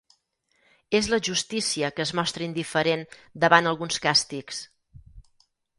És la justícia que es mostra indiferent davant alguns càstigs.